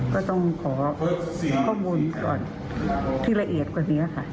ก็ต้องขอข้อมูลก่อนที่ละเอียดกว่านี้ค่ะ